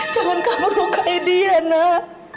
jangan kamu lukai dia nak